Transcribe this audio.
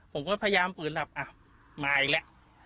ผมก็พยายามฝืนหลับอ่ะมาอีกแล้ว